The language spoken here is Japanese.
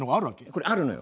これあるのよ。